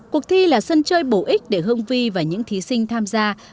cuộc thi là sân chơi bổ ích để hương vi và những thí sinh tham gia có thể kiểm nghiệm được tính khả thi